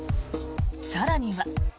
更には。